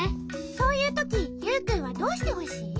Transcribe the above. そういうときユウくんはどうしてほしい？